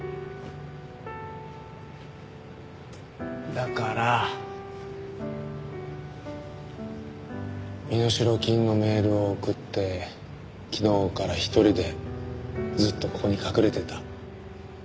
だから身代金のメールを送って昨日から一人でずっとここに隠れてた。